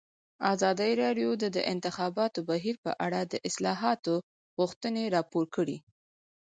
ازادي راډیو د د انتخاباتو بهیر په اړه د اصلاحاتو غوښتنې راپور کړې.